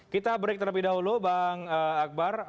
kita break terlebih dahulu bang akbar